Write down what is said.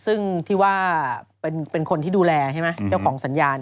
ซึ่งที่ว่าเป็นคนที่ดูแลใช่ไหมเจ้าของสัญญา